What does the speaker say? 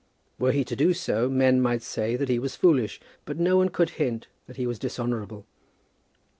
Were he to do so, men might say that he was foolish, but no one could hint that he was dishonourable.